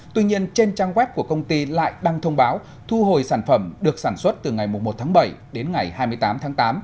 tuy nhiên trên trang web của công ty lại đăng thông báo thu hồi sản phẩm được sản xuất từ ngày một tháng bảy đến ngày hai mươi tám tháng tám